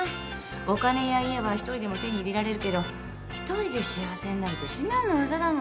お金や家は一人でも手に入れられるけど一人で幸せになるって至難の業だもん。